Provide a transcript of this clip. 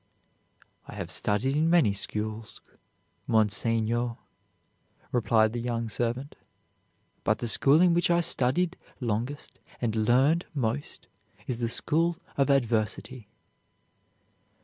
"I have studied in many schools, Monseigneur," replied the young servant: "but the school in which I studied longest and learned most is the school of adversity."